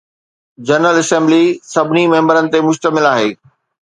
general assembly سڀني ميمبرن تي مشتمل آهي